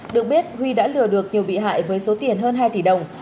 được biết huy đã lừa được nhiều bị hại với số tiền hơn hai tỷ đồng